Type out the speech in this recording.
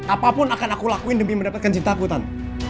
apapun akan aku lakuin demi mendapatkan cintaku tan